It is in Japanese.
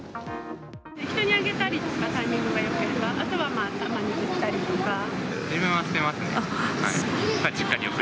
人にあげたりとか、タイミングがよければ、あとはまあ、自分は捨てますね。